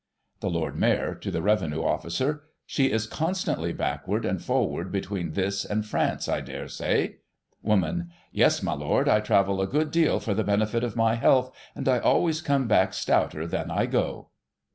The Lord Mayor (to the Revenue officer) : She is constantly backward and forward between this cind France, I daresay. Woman : Yes, my Lord, I travel a good deal for the benefit of my health, and I always come back stouter than I go.